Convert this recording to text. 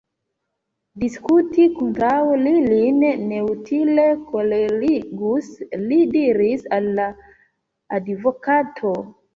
Diskuti kontraŭ li lin neutile kolerigus, li diris al la advokato.